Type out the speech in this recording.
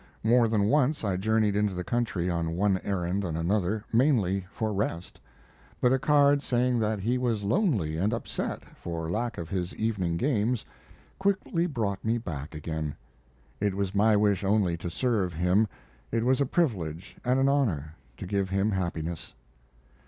More than once I journeyed into the country on one errand and another, mainly for rest; but a card saying that he was lonely and upset, for lack of his evening games, quickly brought me back again. It was my wish only to serve him; it was a privilege and an honor to give him happiness.